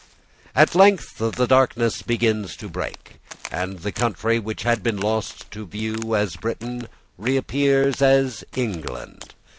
At length the darkness begins to break; and the country which had been lost to view as Britain reappears as England.